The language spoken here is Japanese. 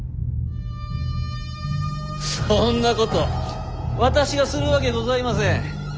そんなこと私がするわけございませぬ。